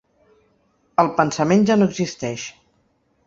El pensament ja no existeix.